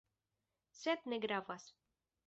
Sed ne gravas.